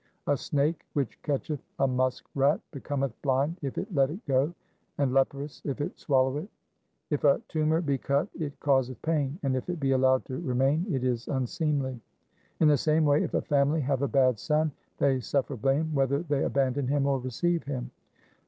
A snake which catcheth a musk rat becometh blind if it let it go, 3 and leprous if it swallow it. If a tumour be cut it causeth pain ; and if it be allowed to remain it is unseemly. In the same way, if a family have a bad son, they suffer blame whether they abandon him or receive him.